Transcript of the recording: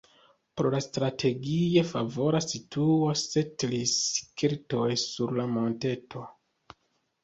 Pro la strategie favora situo setlis keltoj sur la monteto.